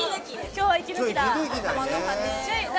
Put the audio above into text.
今日は息抜きだね。